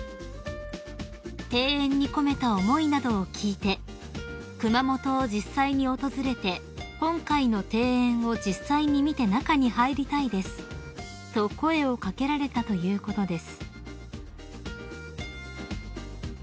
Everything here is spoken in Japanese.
［庭園に込めた思いなどを聞いて「熊本を実際に訪れて今回の庭園を実際に見て中に入りたいです」と声を掛けられたということです］